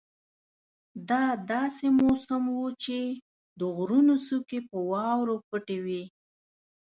دا داسې موسم وو چې د غرونو څوکې په واورو پټې وې.